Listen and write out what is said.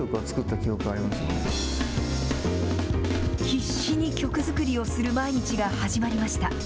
必死に曲作りをする毎日が始まりました。